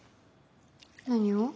何を？